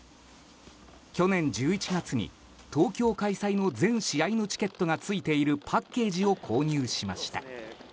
去年１１月に、東京開催の全試合のチケットがついているパッケージを購入しました。